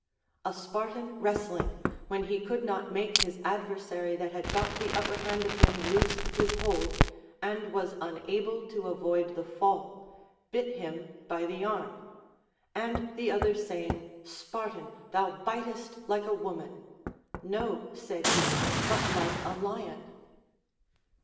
A Spartan wrestling, when he could not make his adversary that had got the upper hand of him loose his hold, and was unable to avoid the fall, bit him by the arm ; and the other saying. Spartan, thou bitest like a woman ; No, said he, but like a lion.